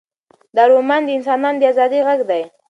دا رومان د انسانانو د ازادۍ غږ دی.